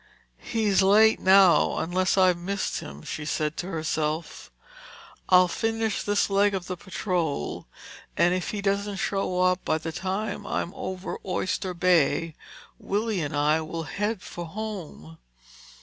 "He's late now, unless I've missed him," she said to herself. "I'll finish this leg of the patrol and if he doesn't show up by the time I'm over Oyster Bay, Willie and I will head for home."